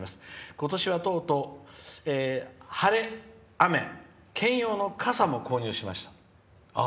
今年はとうとう晴れ、雨兼用の傘も購入しました」。